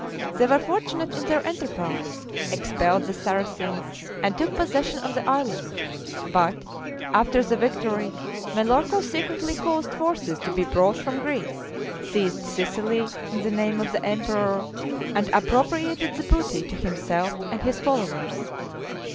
They were fortunate in their enterprise, expelled the Saracens, and took possession of the island; but, after the victory, Melorco secretly caused forces to be brought from Greece, seized Sicily in the name of the emperor, and appropriated the booty to himself and his followers.